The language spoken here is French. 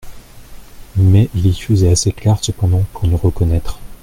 Mais il y faisait assez clair cependant pour nous reconnaître.